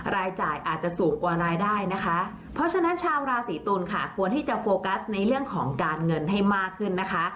รายจ่ายอาจจะสูงกว่ารายได้นะคะเพราะฉะนั้นชาวราศีตุลค่ะควรที่จะโฟกัสในเรื่องของการเงินให้มากขึ้นนะคะ